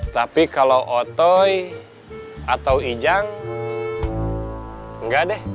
tapi kalau otoi atau ijang enggak deh